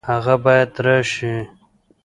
هغه باید راشي